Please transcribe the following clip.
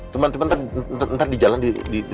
teman teman ntar di jalan ditelepon ya